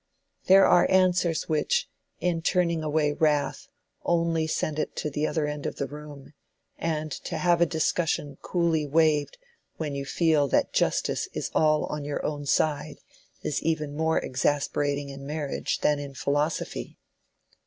There are answers which, in turning away wrath, only send it to the other end of the room, and to have a discussion coolly waived when you feel that justice is all on your own side is even more exasperating in marriage than in philosophy.